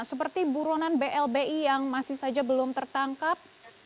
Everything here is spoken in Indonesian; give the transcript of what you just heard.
seperti buronan blbi yang masih saja belum tertangkap